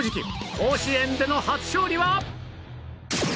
甲子園での初勝利は？